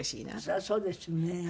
そりゃそうですよね。